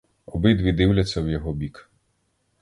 Обидві дивляться в його бік.